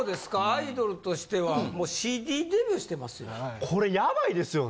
アイドルとしてはもうＣＤデビューしてますよ。